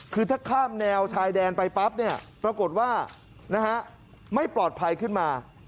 คือถ้าข้ามแนวชายแดนไปปั๊บเนี่ยปรากฏว่าไม่ปลอดภัยขึ้นมา